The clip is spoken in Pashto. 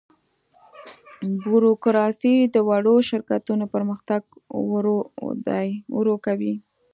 بوروکراسي د وړو شرکتونو پرمختګ ورو کوي.